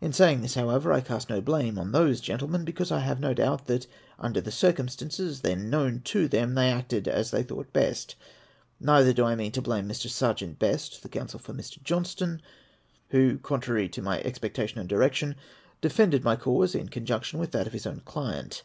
In saying this, however, I cast no blame on those gentlemen, because I have no doubt that, under the circumstances then known to them, they acted as they thought best. Neither do I mean to blame Mr. Serjeant Best (the counsel for Mr. Johnstone), who, contrary to my expectation and direction, defended my cause in conjunction with that of his own client.